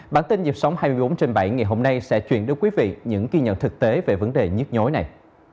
bản tin nhịp sống hai mươi bốn trên bảy ngày hôm nay sẽ chuyển đến quý vị những ghi nhận thực tế về vấn đề nhức nhối này